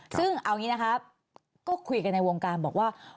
ซึ่งเอาอย่างนี้นะครับก็คุยกันในวงการบอกว่า